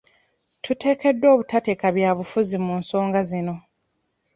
Tuteekeddwa obutateeka byabufuzi mu nsonga zino.